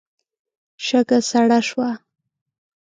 شګه سړه شوه.